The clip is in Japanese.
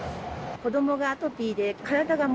子どもがアトピーで、体がも